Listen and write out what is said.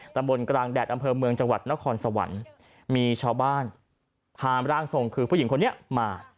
ตำบลกลางแดดอำเภอเมืองจังหวัดนครสวรรค์มีชาวบ้านพาร่างทรงคือผู้หญิงคนนี้มา